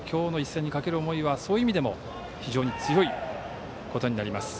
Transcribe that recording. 今日の一戦にかける思いはそういう意味でも非常に強いことになります。